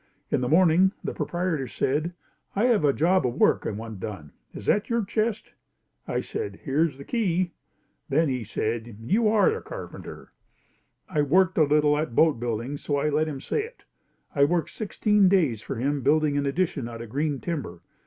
In the morning, the proprietor said, "I have a job of work I want done is that your chest?" I said, "Here is the key." "Then", said he, "you are a carpenter." I had worked a little at boat building so I let him say it. I worked sixteen days for him building an addition out of green timber.